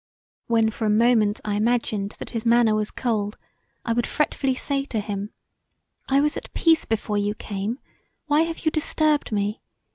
When for a moment I imagined that his manner was cold I would fretfully say to him "I was at peace before you came; why have you disturbed me?